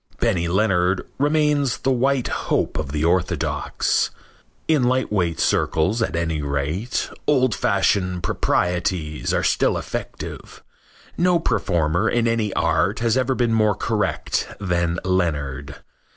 Benny Leonard remains the white hope of the orthodox. In lightweight circles, at any rate, old fashioned proprieties are still effective. No performer in any art has ever been more correct than Leonard.